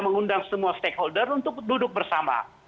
mengundang semua stakeholder untuk duduk bersama